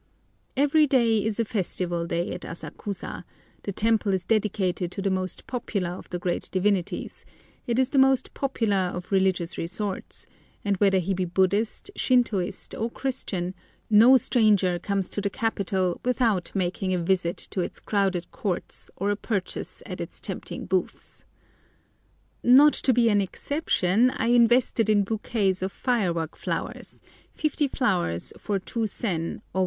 Every day is a festival day at Asakusa; the temple is dedicated to the most popular of the great divinities; it is the most popular of religious resorts; and whether he be Buddhist, Shintôist, or Christian, no stranger comes to the capital without making a visit to its crowded courts or a purchase at its tempting booths. Not to be an exception, I invested in bouquets of firework flowers, fifty flowers for 2 sen, or 1d.